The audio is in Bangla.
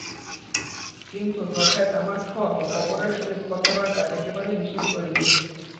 কিন্তু তথায় তামাক খাওয়া বা অপরের সহিত কথাবার্তা একেবারেই নিষেধ করিবে।